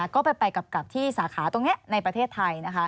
ก็ไปกลับที่สาขาตรงนี้ในประเทศไทยนะคะ